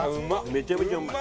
めちゃめちゃうまい。